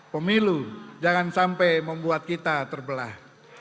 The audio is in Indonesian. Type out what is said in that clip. pemilu jangan sampai membuat kita terbelah